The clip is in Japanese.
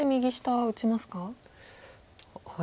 はい。